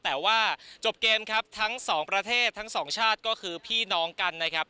แต่ว่าจบเกมครับทั้งสองประเทศทั้งสองชาติก็คือพี่น้องกันนะครับ